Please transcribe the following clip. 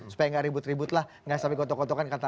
supaya nggak ribut ribut lah nggak sampai gotok gotokan kata